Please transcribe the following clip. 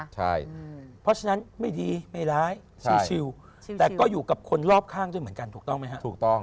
เพราะฉะนั้นไม่ดีไม่ร้ายชิลท์ชิลแต่ก็อยู่กับคนรอบข้างด้วยเหมือนกันถูกต้องมั้ยฮะ